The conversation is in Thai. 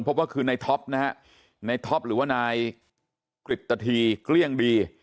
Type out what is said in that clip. พบว่าคือในท็อปนะฮะในท็อปหรือว่านายกฤตธีเกลี้ยงดี